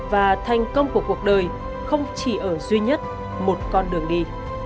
và thành công của cuộc đời không chỉ ở duy nhất một con đường đi